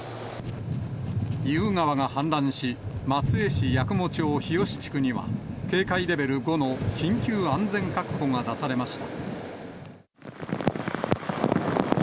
意宇川が氾濫し、松江市八雲町日吉地区には、警戒レベル５の緊急安全確保が出されました。